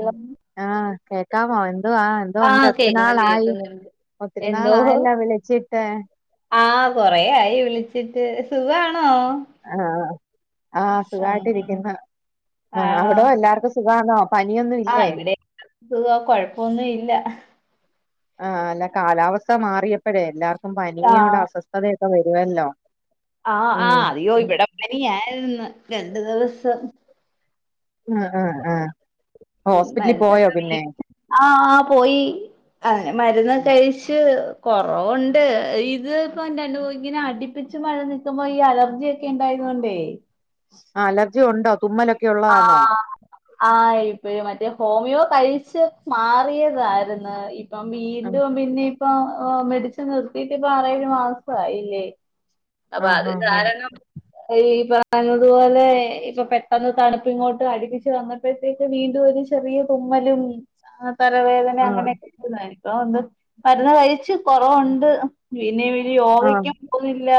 ഉം ആഹ് കേക്കാമോ എന്തുവാ എന്തോണ്ട് ആഹ് എത്ര കേക്കുന്നുണ്ട് നാളായി? കേക്കുന്നുണ്ട് ഒത്തിരി എന്തോ നാളായല്ല വിളിച്ചിട്ട്. ആഹ് കൊറേയായി വിളിച്ചിട്ട്. സുഖാണോ ആഹ് ആഹ് ആഹ് സുഖായിട്ടിരിക്ക്ന്ന് ആഹ് ആണോ അവടോ എല്ലാർക്കും സുഖാണോ? പനിയൊന്നും ആഹ് ഇല്ലേ ഇവടെ സുഖാ കൊഴപ്പൊന്നില്ല ആഹ് അല്ല കാലാവസ്ഥ മാറിയപ്പഴേ എല്ലാർക്കും പനിയുണ്ട് ആഹ് അസ്വസ്ഥതയൊക്കെ വെരുവല്ലോ. ആഹ് ആഹ് അയ്യോ ഇവടെ പനിയായിര്ന്നു രണ്ടു ദിവസം ആഹ് ആഹ് ആഹ് ഉം ഹോസ്പിറ്റലി പോയോ മരുന്നൊക്കെ വീ പിന്നെ? ആഹ് ആഹ് പോയി അ മര്ന്നൊക്കഴിച്ചു. കൊറവ്ണ്ട് ഇത് പ്പൊ രണ്ട് [unintelligible] നാടിപ്പിച്ച് മഴ നിക്കുമ്പോ ഈ അലർജ്യെക്കെ [unintelligible] യൊണ്ടേ ആഹ് അലർജി ഒണ്ടോ തുമ്മലൊ ആഹ് ആ ഇത് മ റ്റെ ഹോമിയോ കഴിച്ച് മാറിയതായിര്ന്ന് ഇപ്പം ആഹ് വീണ്ടും പിന്നെ പ്പൊ ഓ മെടിസ്സിൻ നിർത്തിട്ട് പ്പൊ ആറേഴ് മാസായില്ലേ അപ്പൊ ആഹ് അത് ആഹ് കാരണം ഈ പറഞ്ഞത് പോലെ ഇപ്പൊ പെട്ടെന്ന് തണപ്പ്ങ്ങോട്ട് അട്പ്പിച്ച് വന്നപ്പഴത്തേക്ക് വീണ്ടും ഒരു ചെറിയൊരു തുമ്മലും ആഹ് തലവേദന ആഹ് അങ്ങനെക്കെ [unintelligible] ഒന്ന് മര്ന്ന് കഴിച്ച്. കൊറവുണ്ട് പിന്നിം പിന്നിം ആഹ് [unintelligible] പോ [unintelligible] ല്ല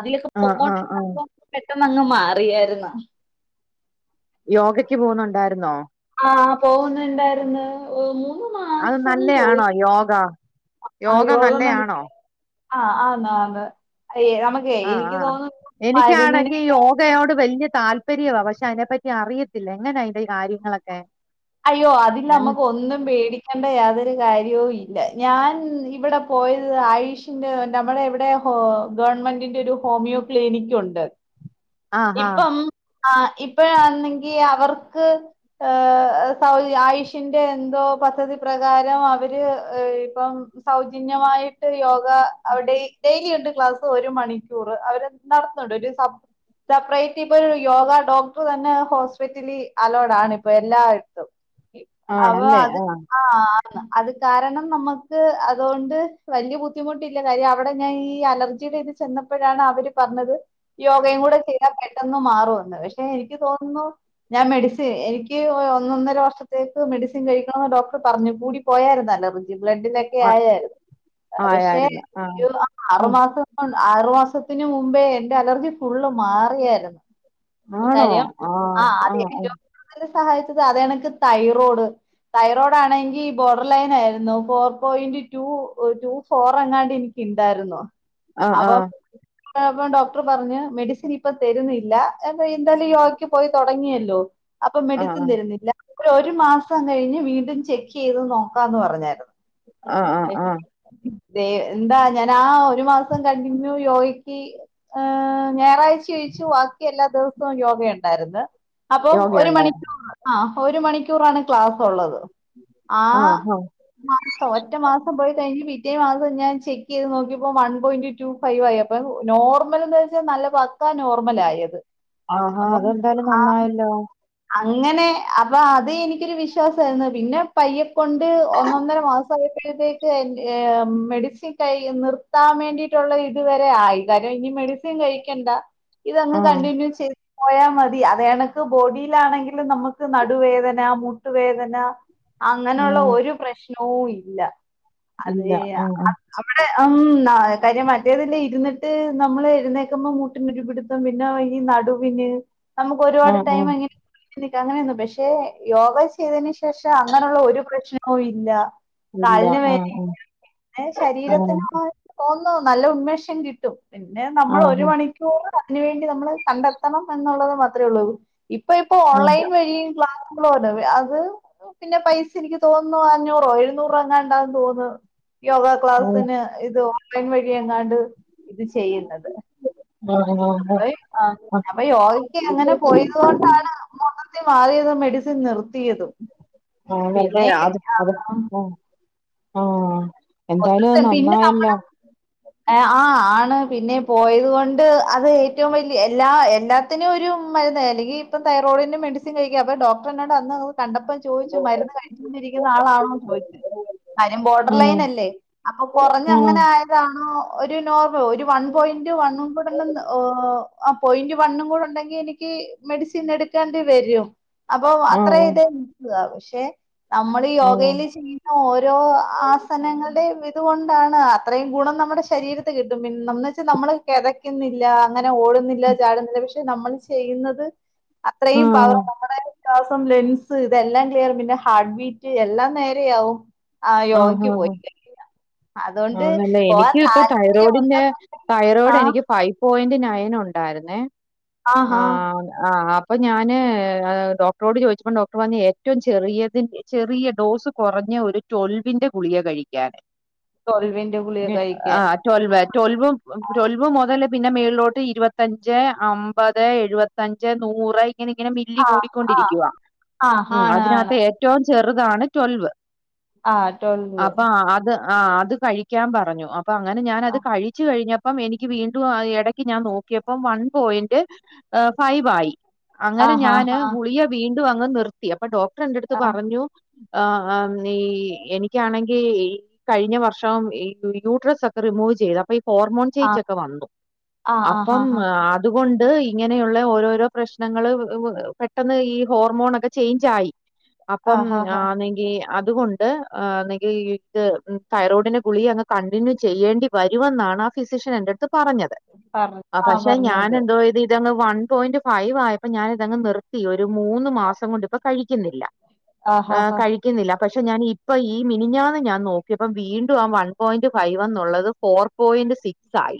അതിലൊക്കെ ആഹ് ആഹ് ആഹ് പൊക്കോണ്ടിര്ന്നപ്പോ പെട്ടന്ന് അങ്ങ് മാറിയായിരുന്ന്. യോഗക്ക് പോുന്നുണ്ടായിരുന്നോ. ആ പോകുന്നുണ്ടായിന്ന് മൂന്ന് അത് മാസം പോയി. നല്ലയാണോ യോഗ യോഗ നല്ലയാണോ ആഹ് ആന്ന് ആന്ന്. ഏ നമുക്കേ ആഹ് എനിക്ക് ആഹ് തോന്നുന്നു എനിക്കാണെങ്കിൽ മരുന്നിനേക്കാ യോഗയോട് വലിയ താല്പര്യ താര്യവാ പക്ഷെ അതിനെപ്പറ്റി അറിയത്തില്ല എങ്ങനെ അയിൻറെ കാര്യങ്ങളൊക്കെ അയ്യോ അതില് ഏഹ് നമ്മുക്ക് ഒന്നും പേടിക്കേണ്ട യാതെ കാര്യവും ഇല്ല ഞാൻ ഇവിടെ പോയത് ആയുഷിന്റെ നമ്മുടെ ഇവിടെ ഹോ ഗ് ഗവൺമെന്റിന്റെ ഒരു ഹോമിയോ ക്ലിനിക് ഉണ്ട്. ആഹ് ഹ. ആ ഇപ്പ ആന്നെങ്കി അവർക്ക് ഹ സൗ ആയുഷിന്റെ എന്തോ പദ്ധതി പ്രകാരം അവര് ഇപ്പം സൗജന്യമായിട്ട് യോഗ അവിടെ ഡെയിലി ഉണ്ട് ക്ലാസ്സ് ഒരു മണിക്കൂർ അവര് നടത്തുന്നുണ്ട് ഒരുബ സെപ്പറേറ്റ് ഇപ്പൊ ഒരു യോഗ ഡോക്ടർ തന്നെ ഹോസ്പിറ്റലിൽ അലോഡ ആാണ് ഇപ്പൊ എല്ലായിടത്തും. അവ ആണല്ലേ അത് ആഹ് ആ അത് കാരണം നമ്മക്ക് അതുകൊണ്ട് വലിയ ബുദ്ധിമുട്ടില്ല കാര്യം അവിട ഞാൻ ഈ അലർജി ഇത് ഇത് ചെന്നപ്പഴാണ് അവര് പറഞ്ഞത്. ഇത്രയും കൂടെ ചെയ്താ പെട്ടെന്ന് മാറോന്ന് പക്ഷെ എനിക്ക് തോന്നുന്നു ഞാൻ മെഡിസി എനി എനിക്ക് ഒന്നൊന്നര വർഷത്തേക്ക് മെഡിസിൻ കഴിക്കണംന്ന് ഡോക്ടർ പറഞ്ഞു കൂടി പോയാരുന്നല്ലോ അത്. ഈ ബ്ലഡിലൊക്കെ ആഹ് ആയാരുന്നു അ പക്ഷെ ആയായിരുന്നു ആഹ് ഉം ആറുമാസം കൊണ്ട് ആറു മാസത് ത്തിന് മുമ്പേ എന്റെ അലർജി ഫുള്ള് മാറിയാരുന്നു. ആണോ കാര്യം ആ ആഹ് അത് ആഹ് ഏറ്റവും സഹായിച്ചത് അതണക്ക് തൈറോഡ് തൈറോഡാണങ്കി ബോർഡർ ലൈൻ ആയിരുന്നു four point two two four എങ്ങാണ്ട് എനിക്ക് ഇണ്ടാരുന്നോ ആഹ് ആഹ് ഇപ്പം ഡോക്ടറ് പറഞ്ഞ് മെഡിസിൻ ഇപ്പ തരുന്നില്ല എന്തായാലും യോഗക്ക് പോയ് തൊടങ്ങി അല്ലോ അപ്പൊ ആഹ് മെഡിസിൻ തരുന്നില്ല ഒര് ഒരു മാസം കഴിഞ്ഞ് വീണ്ടും ചെക്ക് ചെയ്തു നോക്കാന്ന് പറഞ്ഞാരുന്നു ആഹ് ആഹ് ആഹ് ദെയ് എന്താ ഞാൻ ആ ഒരു മാസം കണ്ടിന്യൂ യോഗയ്ക്ക് ആഹ് ഞായറാഴ്ച് തിരിച്ച് വാക്കിഎല്ലാ ദെവ്‌സവും യോഗ ഒണ്ടാര്ന്ന്. അപ്പം ഒരു യോഗയുണ്ടോ മണിക്കൂറ് ആ ഒരു മണിക്കൂറാണ് ക്ലാസ് ഒള്ളത് ആ ആഹ് ആഹ് മാസം ഒറ്റ മാസം പോയി കഴിഞ്ഞ് വീ പിറ്റേ മാസം ഞാൻ ചെക്കെയ്ത് നോക്കിയപ്പോ വൺ പോയിന്റ് ടു ഫൈവ് ആയി അപ്പം നോർമൽ എന്ന് വെച്ചാ നല്ല പക്കാ നോർമൽ ആയത് ആ ഹാ അപ്പം അതെന്തായാലും നന്നായല്ലോ അങ്ങനെ അപ്പൊ അത് എനിക്കൊരു വിശ്വാസായിരുന്നു പിന്നെ പയ്യെ കൊണ്ട് ഒന്ന് ഒന്നൊര മാസം ആയി എഴുതീട്ട് എൻ്റെ മെഡിസിൻ കഴി നിർത്താൻ വേണ്ടീട്ടൊള്ളത് ഇത് വരെ ആയില്ല അരോ ഇനി മെഡിസിൻ കഴിക്കണ്ട ഇതങ്ങ് ആഹ് കണ്ടിന്യൂ ചെയ്ത് പോയാ മതി അതേ കണക്ക് ബോഡി ക്കിലാണെങ്കിലും നമ്മക്ക് നടുവേദന മുട്ടുവേദന അങ്ങന ഒള്ള ആഹ് ഒരു പ്രശ് നോ ഇല്ല. ഇല്ല അതേയ ആഹ് അ ആഹ് അവിടെ അം നാ അ കാര്യം മറ്റേതല്ലേ ഇരുന്നിട്ട് നമ്മള് എഴ്ന്നേക്കമ്പം മുട്ടിനൊര് പിടുത്തം പിന്ന ഈ ന നടുവിന് നമ്മുക്കൊര്പാട് ആഹ് ആഹ് ടൈമ് ഇങ്ങനെ നിക്കാ അങ്ങനെ ആന്നു പക്ഷേ യോഗ ചെയ്തേന് ശ് ശേഷം അങ്ങനെ ഒള്ള ഒരു പ്രശ്നവും ഇല്ല ഇല്ല കാലിന് വേദന ആഹ് ആഹ് ഇണ്ടാ പിന്നെ ആഹ് ശരീരത്തിനാണോ തോന്ന ന്നോ നല്ല ഉന്മേഷം കിട്ടും പിന്നെ നമ്മള് ഒരു ആഹ് മണിക്കൂറ് അതിന് വേണ്ടി നമ്മള് കണ്ടത്തണം എന്നൊള്ളത് മാത്രേ ഒള്ളൂ. ഇപ്പ ഇപ്പ ആഹ് ഓൺലൈൻ ആഹ് വഴീം ക്ലാസ് ഇബ്ളോ അത് പിന്നെ പൈസ എനിക്ക് തോന്നുന്നു അഞ്ഞൂറോ എഴുന്നൂറോ അങ്ങാണ്ടാന്ന് തോന്ന് യോഗ ക്ലാസ്സിന് ഇത് ഓൺലൈൻ വഴി എങ്ങാണ്ട് ഇത് ചെയ്യ്ന്നത് ആഹ് ആഹ് ആഹ് ആഹ് ഒയ് അ അപ്പ യോഗക്ക് അങ്ങനെ പോയതു കൊണ്ടാണ് ഇത്തി മാറിയതും മെഡിസിൻ നിർത്തിയതും ആ അതല്ല പിന്നെ അത് അത് ആ ആഹ് എന്തായാലും അത് ഒര്ത്തൻ പിന്ന നമ്മള നന്നായല്ലോ ഏ ആ ആണ് പിന്നെ പോയത് കൊണ്ട് അത് ഏറ്റവും വലിയ എല്ലാ എല്ലാത്തിനും ഒരു മര്ന്ന് അല്ലെങ്കി ഇപ്പ തൈറോ ഓള്ന് മെഡിസിൻ കഴിക്കാ അപ്പ ഡോക്ടറ് എന്നോട് അന്ന കണ്ടപ്പം ചോദിച്ചു മരുന്ന് കഴിച്ച്ണ്ടിരിക്കുന്ന ആളാണോന്ന് ചോദിച്ച് കാര്യം ബോഡർ ആഹ് ലൈൻ അല്ലേ അപ്പ കൊറഞ്ഞ് ആഹ് അങ്ങനെ ആയതാണോ ഒരു നോർ ഒരു വൺ പോയിന്റ് വണ്ണും കൂടെ ഒണ്ടന്ന് ഓ അ പോയിന്റ് വണ്ണും കൂട ഒണ്ടങ്കി എനിക്ക് മെഡിസിൻ എടുക്കേണ്ടി വരും അപ്പൊ അത്രേ ആഹ് ഇതേ [unintelligible] പക്ഷെ നമ്മള് ആഹ് യോഗേല് ചെയ്യുന്ന ഓരോ ആസനങ്ങള്‌ടേം ഇതുകൊണ്ട് ണ്ടാണ് അത്രയും ഗുണം നമ്മടെ ശരീരത്തി കിട്ടും പിന്നെന്ന് വെച്ചാ നമ്മള് കെതക്കുന്നില്ലാ അ അങ്ങനെ ഓടുന്നില്ല ചാടുന്നില്ല പക്ഷെ നമ്മള് ചെയ്യുന്നത് അത്രയും പവറാ ആഹ് നമ്മടെ ശ്വാസം ലെൻസ് ഇതെല്ലാം ക്ലിയർ പിന്നെ ഹാർട്ട് ബീറ്റ് എല്ലാം നേരയാവും ആഹ് യോഗക്ക് പോയി ല്ലേ ആന്നല്ല എനിക്ക് ഇപ്പ താല്പര്യം ഉണ്ട് തൈറോയ്ഡിന്റെ ആ തൈറോയ്ഡ് എനിക്ക് ഫൈ പോയിന്റ് നയൻ ഉണ്ടായിരുന്നെ ആഹാ ആഹ് ആഹ്. അപ്പൾ ഞാന് ഡോക്ടറോട് ചോദിച്ചപ്പോൾ ഡോക്ടർ വഞ്ഞ ഏറ്റവും ചെറിയതി ചെറിയ ഡോസ് കുറഞ്ഞ ഒരു ടൊൽവിന്റെ ഗുളിക കഴിക്കാന്. ട്വൽവിന്റെ ഗുളിക ആ കഴിക്കാൻ ടൊൽവ് ടൽവും ടൊൽവ് മുതല പിന്നെ മേളിലോട്ട് ഇരുപത്തഞ്ച് അമ്പത് എഴുപത്തഞ്ച് നൂറ് ഇങ്ങനെ മില്ലി ആ ആ കൂടിക്കൊണ്ടിരിക്കുവ ആ ഉ ആണ് ആണ് അതിനകത്ത് ഏറ്റവും ചെറുതാണ് ട്വൽവ് ആ ട്വൽവ്. അപ്പൊ ആ- അത് ആ അത് കഴിക്കാൻ പറഞ്ഞു അപ്പൊ അങ്ങനെ ഞാാന ആ അത് കഴിച്ചു കഴിഞ്ഞ അപ്പം എനിക്ക് വീണ്ടും ഇടക്ക് ഞാൻ നോക്കിയപ്പം വൺ പോയിന്റ് ഫൈവ് ആയി. ആ അങ്ങനെ ഹാ ഞാന് ഹാ ഗുളിയെ വീണ്ടും അങ്ങ് നിർത്തി അപ്പൊ ഡോക്ടർ എന്റെറ അടുത്ത് ആ പറഞ്ഞു ആഹ് ആഹ് നീ എനിക്കാണെങ്കിൽ ഈ കഴിഞ്ഞ വർഷം ഈ യൂട്രസ് ഒക്കെ റിമൂവ് ചെയ്ത് അപ്പൊ ഹോർമോൺ ആ ചേഞ്ച് ഒക്കെ വന്നു ആ ആ ഹാ അപ്പം ഹാ അതുകൊണ്ട് ഇങ്ങനെയുള്ള ഓരോരോ പ്രശ്നങ്ങള്ൾ പെട്ടെന്ന് ഈ ഹോർമോൺൊക്കെ ചേഞ്ച് ആയി അപ്പം ഹാ ആ ഹാ അണെങ്കി അതുകൊണ്ട് ഒന്നെങ്കി ഇത് തൈറോയ്ഡിന്റെ ഗുളിക അങ്ങ് കണ്ടിന്യൂ ചെയ്യേണ്ടി വരുമെന്നാണ് ആ ഫിസിഷ്യൻ എന്റെട് പറഞ്ഞത് പറഞ്ഞു ആ പക്ഷെ ഞാൻ പറഞ്ഞത് എന്തോ ഇത് ഇതങ്ങ് വൺ പോയിന്റ് ഫൈവ് ആയപ്പോ ഞാനിതങ് നിർത്തി. മൂന്ന് മാസം കൊണ്ട് ഇപ്പോ കഴിക്കുന്നില്ല ആ ഹാ ഹാ കഴിക്കുന്നില്ല പക്ഷെ ഞാന് ഇപ്പൊ ഈ മിനിഞ്ഞാന്ന് ഞാൻ നോക്കിയപ്പ വീണ്ടും ആ വൺ പോയിന്റ് ഫൈവ് എന്നുള്ളത് four point six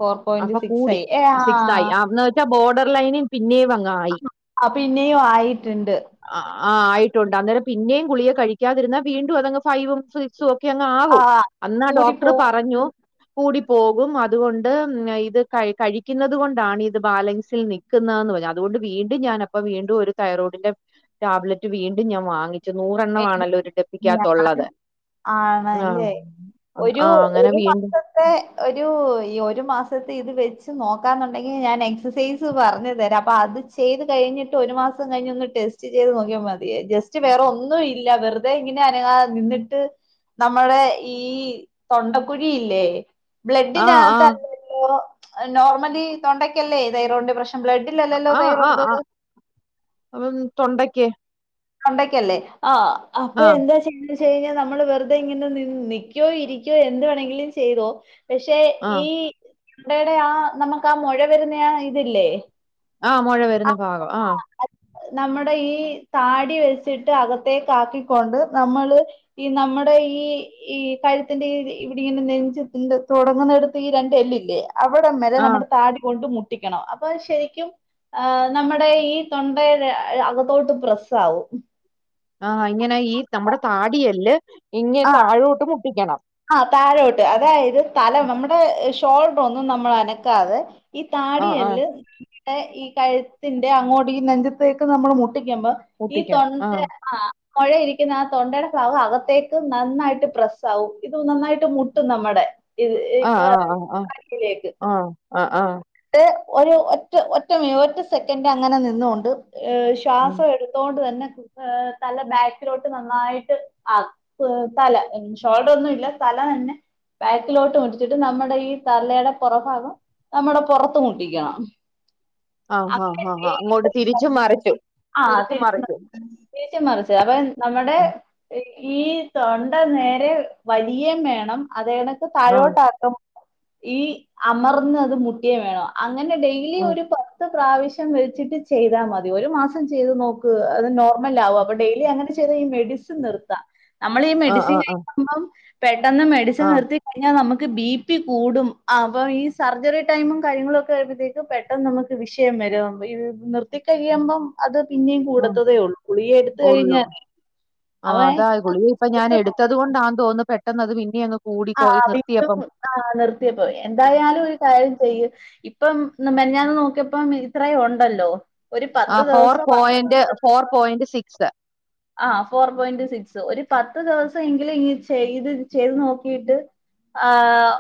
four point അപ്പൊ സിക്സ് കൂടി ആയി ഏ ആ സിക്സ് ആയി വെച്ചാ ബോർഡർ ലൈനി ആ പിന്നെയും ആയിട്ടുണ്ട് ആഹ് ആയിട്ടുണ്ട് അന്നേരം പിന്നെയും ഗുളിയെ കഴിക്കാതിരുന്ന വീണ്ടും അതങ് ഫൈവും സിക്സും ഒ ക്കെ അങ്ങ് ആ ആവും അന്ന് ആ കൂടി ഡോക്ടർ പറഞ്ഞു പോകുന്നത് കൂടി പോകും അതുകൊണ്ട് ഇത് കഴിക്കുന്നത് കൊണ്ടാണ് ഇത് ബാലൻസിൽ നിൽക്കുന്നതന്ന് പറഞ്ഞു അതുകൊ വീണ്ടും ഞാനപ്പ വീണ്ടും ഒരു തൈറോയ്ഡിന്റെ ടാബലറ്റ് വീണ്ടും ഞാൻ വാങ്ങിച്ചു. നൂറെണ്ണമാണല്ലോ ഒരു ടപ്പിക്കകത്തുള്ളത് ആണല്ലേ ഒരു ആ, അങ്ങനെ ഒരു വീണ്ടും മാസത്തെ ഒരു ഈ ഒരു മാസ സെസെയ്‌ത് വെച്ച് നോക്കാന്നുണ്ടെങ്കി ഞാന് എക്സെസൈസ് പർഞ്ഞു തരാ അപ്പൊ അത്‌ ചെയ്ത് കഴിഞ്ഞിട്ട് ഒരുമാസ് മാസം കഴിഞ്ഞന്ന് ടെസ്റ്റ് ചെയ്ത് നോക്കിയാ മതി ജസ്റ്റ് വേറെ ഒ ഇല്ല വെറുതെ ഇങ്ങനെ അനങ്ങാതെ നിന്നിട്ട് നമ്മുടെ ഈ തൊണ്ടക്കുഴിയില്ലേ ആ ആ ബ്ലഡിനകത്തല്ലോ നോർമലി തൊണ്ടയ്ക്കല്ലേ തൈറോയ്ടിന്റെ പ്രശ് ബ്ലഡിലല്ലല്ലോ ആ ആ തൈറോയ്ട് ആ ഉം, തൊണ്ടയ്ക്ക് തൊണ്ടെക്കല്ലേ ആ അപ്പൊ ആ എന്താ ചെയ്യ ചെയ്യാ നമ്മള് വെറുതെ ഇങ്ങനെ നിന്ന് നിക്യോ ഇരിക്യോ എന്ത് വേണെങ്കിലും ചെയ്തോ പക്ഷെ ആ ഈ ഇടടെ ആ നമക്ക് ആ മുഴ വരുന്ന ഇതില്ലേ ആ മൊഴ വരുന്ന ഭാഗം ആഹ നമ്മുടെ ഈ താടി വെച്ചിട്ട് അകത്തേക്ക ആക്കിക്കൊണ്ട് നമ്മള് ഈ നമ്മുടെ ഈ ഈ യത്തിന്റൊരു ഇവിടെ ഇങ്ങനെ നെഞ് തുടങ്ങുന്നിടത്ത് ഈ രണ്ട് എല്ലില്ലേ അവിടം വരെ ആ നമ്മടെ താടി കൊണ്ട് മുട്ട് ട്ടിക്കണം അപ്പൊ ശരിക്കും ആ നമ്മടെ ഈ തൊണ്ടയെ അകത്തോട്ട് പ്രസ് സൗ ആഹ് ഇങ്ങനെ ഈ നമ്മുടെ താടിയെല്ല് ഇങ്ങ ആ താഴോട്ട് മുട്ടിക്കണം ആ തഴോട്ട് അതായത് സ്ഥലം നമ്മുടെ ഷോൾഡർ ഒന്നും നമ്മൾ അനക്കാതെ ഈ ആഹ് ആഹ് താടിയെല്ല് ഈ കഴുത്തിന്റെ അങ്ങോട്ട ഈ നെഞ്ചത്തേക്ക് നമ്മൾ മുട്ട് ട്ടിക്കുമ്പോ ഈ മുട്ടിക്കണം. തൊണ്ട ആഹ് ആ മൊഴ ഇരിക്കുന്ന ആ തൊണ്ടടെ ഭാഗം അകത്തേക്ക് നന്നായിട്ട് പ്രസ്സാവും ഇത് നന്നായിട്ട് മുട്ടും നമ്മടെ ഇത് [unintelligible] ആ ആ ഒരു ഒറ്റ ഒറ്റ മി ഒറ്റ സെക്കൻഡ് അങ്ങനെ നിന്നുകൊണ്ട് ഏഹ് ഉം ശ്വാസം എടുത്തോണ്ട് തന്നെ ഏഹ് തല ബാക്കിലോട്ട് നന്നായിട്ട് ആ തല ഷോൾഡറൊന്നും ഇല്ല ത ല തന്നെ ബാക്കിലോട്ട് മുട്ടിച്ചിട്ട് നമ്മടെ ഈ തലയുടെ പൊറഭാഗം നമ്മടെ പൊറത്ത് മുട്ടിക്കണം ആഹ് ഹാ അങ്ങനെ ഹാ തേയ്- അങ്ങോട്ട് തിരിച്ചും മറിച്ചും തിരിച്ചും മറിച്ചും [unintelligible] നമ്മടെ ഈ തൊണ്ട നേരെ വലിയേം വേണം അതെകണക്ക് ആഹ് താഴോട്ടക്കുമ്പോ ഈ അമർന്നത് മുട്ടിയേം വേണം അങ്ങനെ ഡെയിലി ആഹ് ഒരു പത്ത് പ്രാവശ്യം വെച്ചിട്ട് ചെയ്താ മതി ഒരു മാസം ചെയ്ത് നോക്ക് അത് നോ ർമലാവും അപ്പൊ ഡെയ്‌ലി അങ്ങനെ ചെയ്താ ഈ മെഡിസിൻ നിർത്ത നമ്മളീ ആഹ് മെഡിസിൻ ആഹ് ആഹ് കഴിക്കുമ്പം പെ ട്ടന്ന് മെഡിസിൻ ആഹ് നിർത്തി കഴിഞ്ഞാ നമ്മക്ക് ബി പി കൂടും അപ്പോ ഈ സർജറി ടെ ടൈമും കാര്യങ്ങളൊക്കെ ആയപ്പത്തേക്ക് പെട്ടെന്ന് നമുക്ക് വിഷയം വരും ഈ നിർത്തിക്കഴിയുമ്പോം അത് പിന്നേം ആഹ് കൂടത്തതേ ഒള്ളൂ ഗുളിയെടുത്ത് കഴിഞ്ഞ [unintelligible] ആ അതാ ഗുളികാ ഇപ്പൊ ഞാൻ എടുത്തത് കൊണ്ടാന്ന് തോന്നുന്നു പെട്ടെന്നത് പിന്നേം അങ്ങ് ആ കൂടിപ്പോയി വീണ്ടും നിർത്തിയപ്പം ആ നിർത്തിയപ്പോ എന്തായാലും ഒരു കാര്യം ചെയ്യ് ഇപ്പം മെനഞ്ഞാന്ന് നോക്കിയപ്പം ഇത്രേം ഒണ്ടല്ലോ ആ four point four point six ആഹ് ഫോർ പോയിന്റ് സിക്സ് ഒരു പത്ത് ദിവസവെങ്കിലും ഈ ചെയ്ത് ചെയ്ത് നോക്കിട്ട് ആഹ്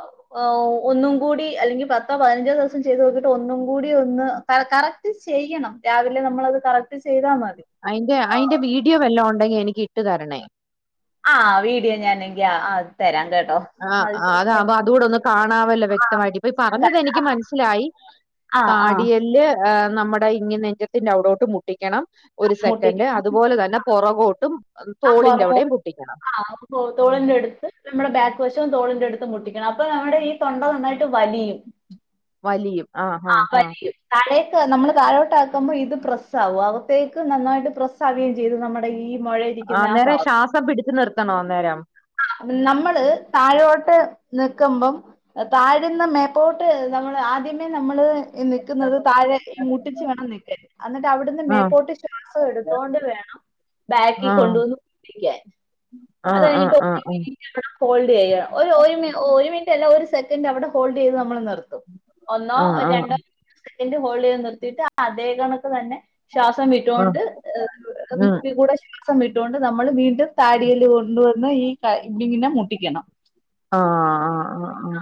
ഒന്നും കൂടി അല്ലെങ്കിൽ പത്തോ പതിനഞ്ചോ ദിവസം ചെയ്ത് നോക്കിട്ട് ഒന്നും കൂടി ഒ ന്ന് കറക്റ്റ് ചെയ്യണം രാവിലെ നമ്മളത് കറക് അയിന്റെ അയിന്റെ വീഡിയോ വല്ലോം ഒണ്ടെങ്കി എനിക്ക് ഇട്ട് തരണേ ആഹ് വീഡിയോ ഞാനെ അത് തരാം കേട്ടോ ആ ആഹ് അതാകുമ്പോ അതൂടൊന്ന് കാണാവല്ലോ വ്യക്തമായിട്ട് ഇപ്പൊ ഈ പറഞ്ഞതെനിക്ക് മനസ്സിലായി ആഹ് ആഹ് താടിയെല്ല് ആഹ് നമ്മടെ ഇങ്ങ് നെഞ്ചത്തിന്റെ അവിടോട്ട് മുട്ടിക്കണം ഒരു മമ്മൂട്ടിക്ക് സെക്കൻറ്റ് അതുപോലെ തന്നെ പൊറകോട്ടും തോളിന്റെ ആഹ് അവിടേം മുട്ടിക്കണം എടുത്ത് നമ്മുടെ ബാക്ക് വശവും തോളിന്റെ അടുത്ത് മുട്ടിക്കണം അപ്പൊ നമ്മടെ ഈ തൊണ്ട നന്നായിട്ട് വലിയും വലിയും ആഹ് ആ ആഹ് ആഹ് വലിയും തലേം ക്ക് നമ്മള് താഴോട്ട് ആക്കുമ്പോ ഇത് പ്രസാകും അകത്തേക്ക് നന്നായിട്ട് പ്രസ് ആവുകയും ചെയ്തു നമ്മടെ ഈ മുഴയിരിക്കുന്ന ആ അന്നേരം ശ്വാസം പിടിച്ചു നിർത്തണോ അന്നേരം ആഹ് നമ്മള് താഴോട്ട് നിക്കുമ്പം താഴേന്ന് മേപ്പോട്ട് നമ്മള് ആദ്യമേ നമ്മള് ഈ നിക്കുന്നത് ആഹ് താഴെ ഈ മുട്ടിച്ചു വേണം നിക്കാൻ അന്നിട്ട് അവിടുന്ന് ആഹ് മേപോട്ട് ശ്വാസം എടുത്തോണ്ട് വേണം ബാക്കി കൊണ്ടുവന്ന് മുട്ടിക്കാൻ അത് ആഹ് ആഹ് കഴിഞ്ഞിട്ട് ഒരു ആഹ് മിനിറ്റ് അവിടെ ഹോൾഡ് ചെയ്യണം ഓ ഒരു മിനിറ്റല്ല ഒരു സെ ക്കൻറ്റ് അവിടെ ഹോൾഡ് ചെയ്ത് നമ്മള് നി ആഹ് ആ സെക്കൻഡ് ഹോൾഡ് ചെയ്ത് നിർത്തിട്ട് അതേ കണക്ക് തന്നെ ശ്വാസം ഉം വിട്ടോണ്ട് ആഹ് മൂക്കികൂടെ സം വിട്ടൊണ്ട് നമ്മള് വീണ്ടും താടിയെല്ല് കൊണ്ടുവന്ന് ഈ ക ഇവിടിങ്ങനെ മുട്ടിക്കണം ആ ആഹ് ആഹ് ആ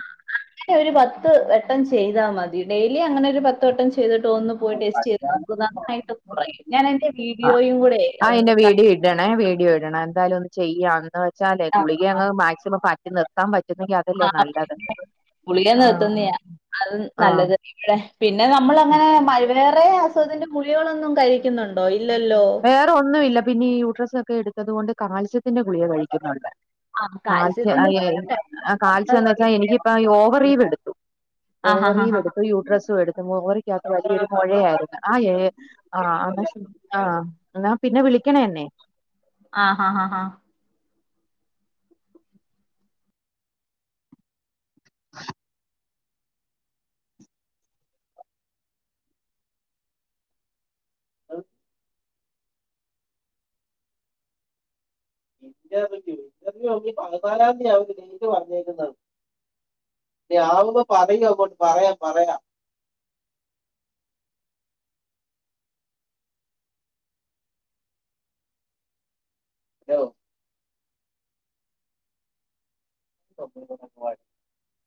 അങ്ങനെ ഒരു പത്ത് വട്ടം ചെയ്താ മതി ഡെയിലി അങ്ങനെ ഒരു പത്ത് വട്ടം ചെ ചെയ്തിട്ട് ഒന്ന് പോയി ടെസ്റ്റ് ചെയ്ത് നോക്ക് നന്നായിട്ട് കൊറയും ഞാൻ എന്റെ ആഹ് വീഡിയോയും കൂടെ ആ ഏഹ് അയിന്റെ വീഡിയോ ഇടണേ വീഡിയോ ഇടണേ എന്തായാലും ഒന്ന് ചെയ്യാ എന്ന് വെച്ചാലേ കണ്ട ഗുളികെ അങ്ങ് മാക്സിമം മാറ്റിനിർത്താൻ പ ആ ഗുളിക ആഹ് നിർത്തുന്ന അത് ആഹ് നല്ലത് പിന്നെ നമ്മൾ അങ്ങനെ മഴ വേറെ അസുഖത്തിന്റെ ഗുളികകളൊന്നും കഴിക്കുന്നുണ്ടോ ഇല്ലല്ലോ വേറെ ഒന്നുല്ല പിന്നെ ഈ യൂട്രസ് ഒക്കെ എടുത്തത് കൊണ്ട് കാൽസ്യത്തിന്റെ ഗുളിക കഴിക്കുന്നുണ്ട് ആ കാൽസ്യം കാൽസ്യത്തിന്റെ എ കാൽസ്യം എന്ന് വെച്ചാൽ ഗുളിക എനിക്കിപ്പ ഓവറിയുടെ എടുത്തു ഓവറിയും ആഹാഹാഹാ എടുത്തു യൂട്രസും എടുത്ത് മൊറി ത്ത് വലിയൊരു മുഴയായിരുന്നു ആ ഏ ആമാശയ ആ എന്നാ പിന്നെ വിളിക്കണെന്നെ ആ ഹ ഹ ഹ [inaudible] ഇന്റർവ്യൂ ഇന്റർവ്യൂ ഇനി പതിനാലാം തീയതി ആണ് ഡേറ്റ് പറഞ്ഞിരിക്കുന്നത് ഇനി ആവുമ്പോ പറയും അങ്ങോട് പറയാം പറയാം ഹലോ [inaudible]